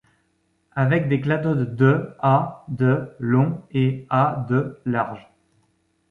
Avec des cladodes de à de long et à de large.